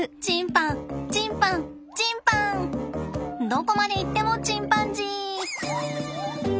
どこまでいってもチンパンジー！